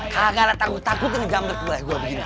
kagak gak takut takutnya jambret gue begini